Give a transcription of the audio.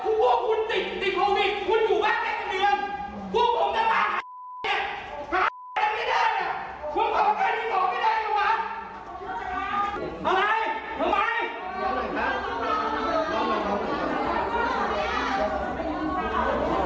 คุณก็บอกแล้วคุณผงดูดีแล้วว่าขอเสียสังเรื่องหลังเรื่อง